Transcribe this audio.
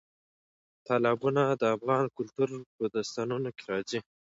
تالابونه د افغان کلتور په داستانونو کې راځي.